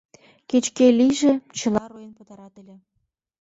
Кеч-кӧ лийже, чыла руэн пытарат ыле...